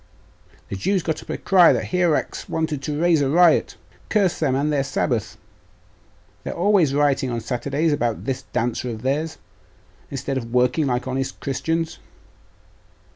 'The Jews got up a cry that Hierax wanted to raise a riot. Curse them and their sabbath, they are always rioting on Saturdays about this dancer of theirs, instead of working like honest Christians!